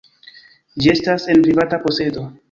Ĝi estas en privata posedo.